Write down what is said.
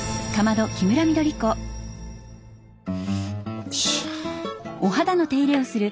よいしょ。